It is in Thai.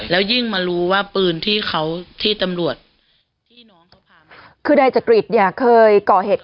แล้วยิ่งมารู้ว่าปืนที่เขาที่ตำรวจคือนายจักริตเนี่ยเคยก่อเหตุ